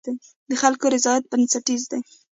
د خلکو رضایت بنسټیز دی.